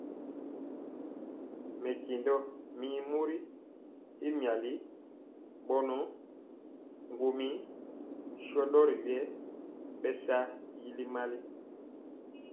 Mɛnjéndɔ mi mori y miali bɔnɔ ŋguomi sho ndori wiɛɛ bɛ shen yili mali.